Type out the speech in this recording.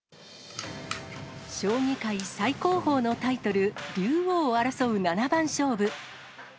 将棋界最高峰のタイトル、竜王を争う七番勝負。